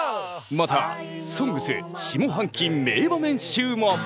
また「ＳＯＮＧＳ」下半期名場面集も！